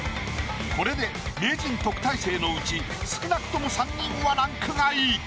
これで名人特待生のうち少なくとも３人はランク外。